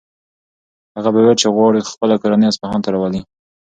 هغه به ویل چې غواړي خپله کورنۍ اصفهان ته راولي.